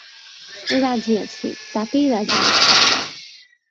রাজি আছি, তাতেই রাজি আছি।